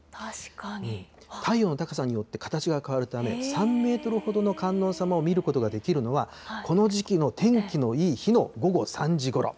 太陽の高さによって形が変わるため、３メートルほどの観音様を見ることができるのは、この時期の天気のいい日の午後３時ごろ。